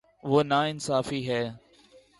وہ نا انصافی ہے